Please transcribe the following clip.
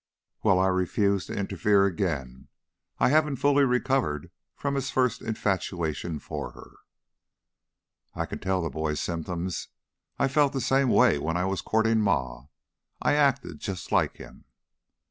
Well, I refuse to interfere again. I haven't fully recovered from his first infatuation for her." "I can tell the boy's symptoms. I felt the same way when I was courtin' Ma. I acted just like him."